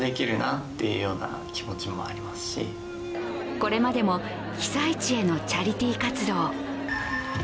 これまでも被災地へのチャリティー活動。